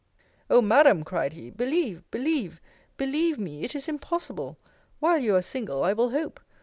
O Madam, cried he, believe, believe, believe me, it is impossible. While you are single, I will hope.